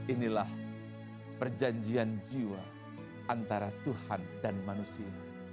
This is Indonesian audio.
inilah perjanjian jiwa antara tuhan dan manusia